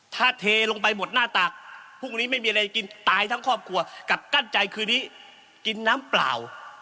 ถ้าเทลงไปหมดหน้าตากพรุ่งนี้ไม่มีอะไรกินตายทั้งครอบครัวกลับกั้นใจคืนนี้กินน้ำเปล่า